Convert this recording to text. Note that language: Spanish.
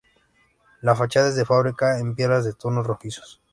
La fachada es de fábrica en piedra de tonos rojizos.